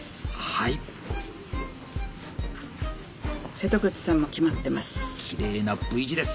瀬戸口さんも決まってます。